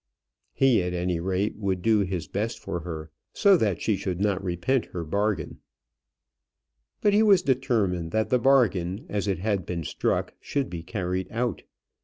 He, at any rate, would do his best for her, so that she should not repent her bargain. But he was determined that the bargain, as it had been struck, should be carried out.